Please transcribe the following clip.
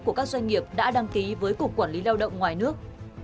của các doanh nghiệp đã đăng ký với cục quản lý lao động ngoài nước